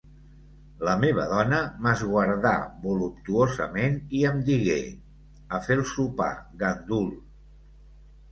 La meva dona m'esguardà voluptuosament i em digué: a fer el sopar gandul